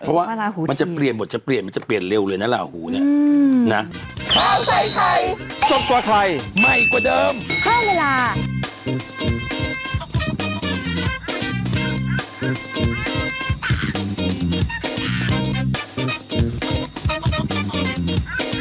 เพราะว่ามันจะเปลี่ยนหมดจะเปลี่ยนมันจะเปลี่ยนเร็วเลยนะล่าหูนี่